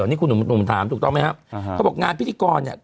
นี่คุณหนุ่มถามถูกต้องไหมครับเขาบอกงานพิธีกรเนี่ย